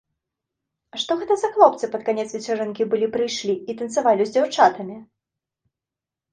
А што гэта за хлопцы пад канец вечарынкі былі прыйшлі і танцавалі з дзяўчатамі?